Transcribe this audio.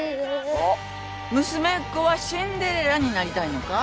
おっ娘っ子はシンデレラになりたいのか？